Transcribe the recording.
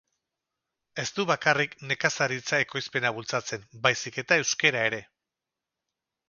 Ez du bakarrik nekazaritza-ekoizpena bultzatzen, baizik eta euskara ere.